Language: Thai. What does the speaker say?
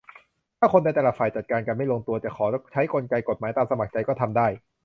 - ถ้าคนในแต่ละฝ่ายจัดการกันไม่ลงตัว จะขอใช้กลไกกฎหมาย ตามสมัครใจ ก็ทำได้